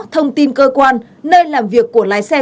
thông tin cơ quan nơi làm việc của lái xe